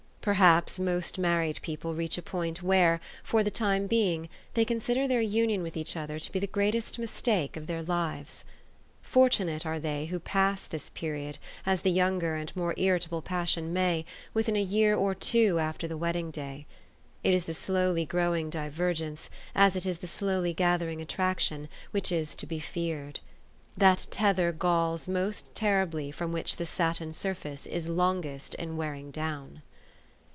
Perhaps most married people reach a point where, for the time being, they consider their union with each other to be the greatest mistake of their lives. Fortunate are they who pass this period, as the younger and more irritable passion may, within a year or two after the wedding day. It is the slowly growing divergence, as it is the slowly gathering at traction, which is to be feared. That tether galls most terribly from which the satin surface is longest in wearing down.